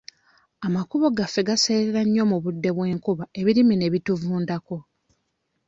Amakubo gaffe gaseerera nnyo mu budde bw'enkuba ebirime ne bituvundako.